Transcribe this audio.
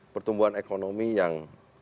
pertumbuhan ekonomi yang